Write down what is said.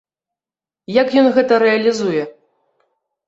Як ён гэта рэалізуе?